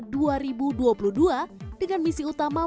dengan misi utama mengembangkan pesawat kargo ke mars